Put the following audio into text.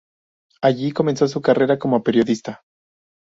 Allí comenzó su carrera como periodista.